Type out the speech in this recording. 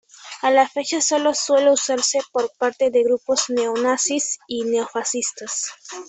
A la fecha solo suele usarse por parte de grupos neonazis y neofascistas.